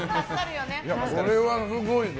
これはすごいぞ。